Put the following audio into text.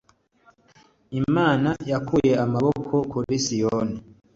Imana yakuye amaboko kuri Siyoni